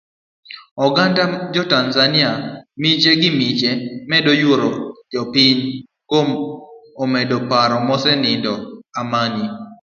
Oganda jo tanzania miche gimiche medo yuoro jopiny ne omedo paro mosenindo Amani.